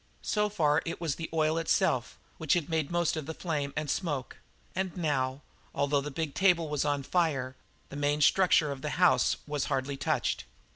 So far it was the oil itself, which had made most of the flame and smoke, and now, although the big table was on fire, the main structure of the house was hardly touched.